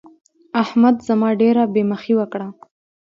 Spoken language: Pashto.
احمد زما ډېره بې مخي وکړه.